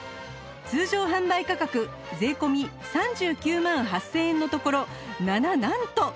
通常販売価格税込３９万８０００円のところなななんと！